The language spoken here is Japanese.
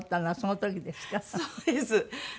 そうです。